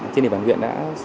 trên địa bàn huyện đã